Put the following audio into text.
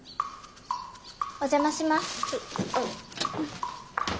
お邪魔します。